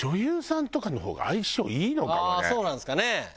ああそうなんですかね。